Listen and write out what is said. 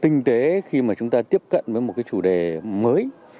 tinh tế khi mà chúng ta tiếp cận với một chủ đề mới